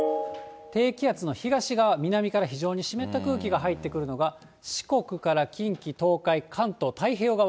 低気圧の東側、南から非常に湿った空気が入ってくるのが、四国から近畿、東海、関東、太平洋側。